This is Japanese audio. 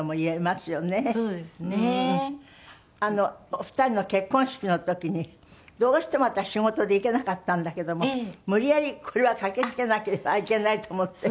お二人の結婚式の時にどうしても私仕事で行けなかったんだけども無理やりこれは駆けつけなければいけないと思って。